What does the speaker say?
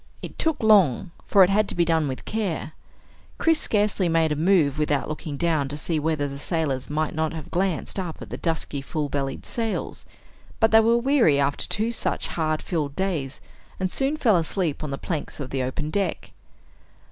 It took long, for it had to be done with care. Chris scarcely made a move without looking down to see whether the sailors might not have glanced up at the dusky full bellied sails, but they were weary after two such hard filled days and soon fell asleep on the planks of the open deck.